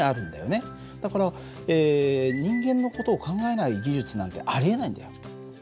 だから人間の事を考えない技術なんてありえないんだよ。